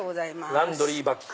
ランドリーバッグ。